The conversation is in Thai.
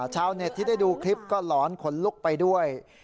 ชาวเน็ตที่ได้ดูคลิปก็หลอนขนลุกไปด้วย